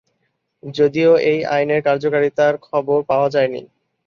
যদিও এই আইনের কার্যকারিতার খবর পাওয়া যায়নি।